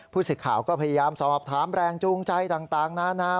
สิทธิ์ข่าวก็พยายามสอบถามแรงจูงใจต่างนานา